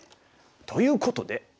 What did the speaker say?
ということで。